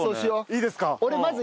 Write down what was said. いいですか？